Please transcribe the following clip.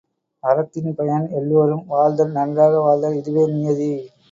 அறத்தின் பயன் எல்லாரும் வாழ்தல் நன்றாக வாழ்தல், இதுவே நியதி.